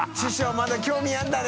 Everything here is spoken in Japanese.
まだ興味あるんだね。